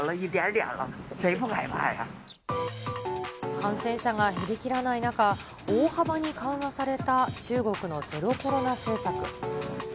感染者が減りきらない中、大幅に緩和された中国のゼロコロナ政策。